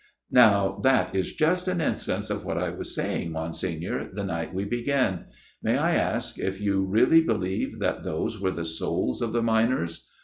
" Now that is just an instance of what I was saying, Monsignor, the night we began. May I ask if you really believe that those were the souls of the miners